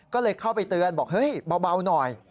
ก็เลยเข้าไปเตือนบอกเฮ้ยเบาหน่อย